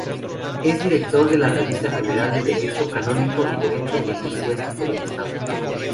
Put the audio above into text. Es director de la "Revista General de Derecho Canónico y Derecho Eclesiástico del Estado".